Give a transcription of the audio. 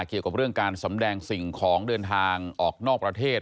เกี่ยวกับเรื่องการสำแดงสิ่งของเดินทางออกนอกประเทศ